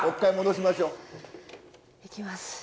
いきます。